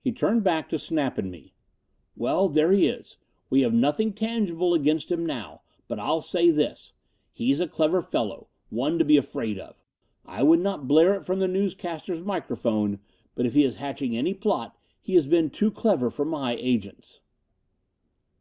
He turned back to Snap and me. "Well, there he is. We have nothing tangible against him now. But I'll say this: he's a clever fellow, one to be afraid of. I would not blare it from the newscasters' microphone, but if he is hatching any plot, he has been too clever for my agents."